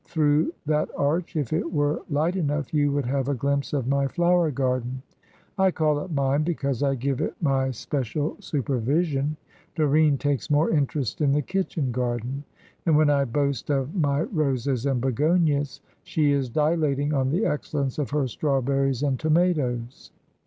Through that arch, if it were light enough, you would have a glimpse of my flower garden. I call it mine, because I give it my special supervision. Doreen takes more interest in the kitchen garden, and when I boast of my roses and begonias, she is dilating on the excellence of her strawberries and tomatoes."